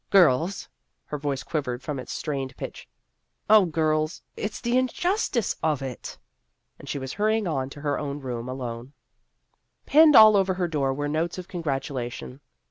" Girls," her voice quivered from its strained pitch, " oh, girls, it 's the injus tice of it !" and she was hurrying on to her own room alone. Pinned all over her door were notes of congratulation.